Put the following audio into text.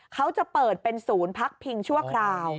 เขาจะเปิดเป็นศูนย์พักพิงชั่วคราว